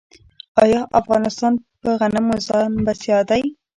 آیا افغانستان په غنمو ځان بسیا دی؟